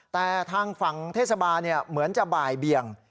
แต่ทางฝั่งเทศบาลเหมือนจะบ่ายเบียง